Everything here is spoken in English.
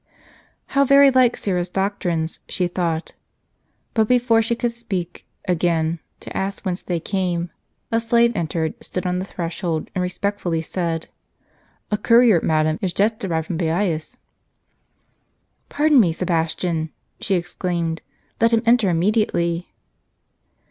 How very like Syra's doctrines ! she thought. But before she could speak again, to ask whence they came, a slave entered, stood on the threshold, and respectfully said : "A courier, madam, is just arrived from Baias."* " Pardon me, Sebastian !" she exclaimed. " Let him enter immediately."